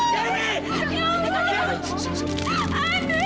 terima kasih mama